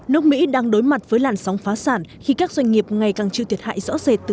nước mỹ đang đối mặt với làn sóng phá sản khi các doanh nghiệp ngày càng chịu thiệt hại rõ rệt từ